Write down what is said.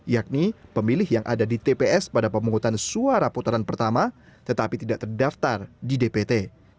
yakni pemilih yang ada di tps pada pemungutan suara putaran pertama tetapi tidak terdaftar di dpt